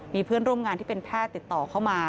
มีเพื่อนร่วมงานที่เป็นแพทย์ติดต่อเข้ามา